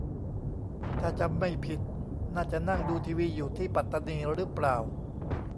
ถ้าจำไม่ผิด น่าจะนั่งดูทีวีอยู่ที่ปัตตานีรึเปล่า ?